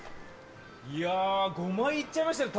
いや５枚いっちゃいましたよ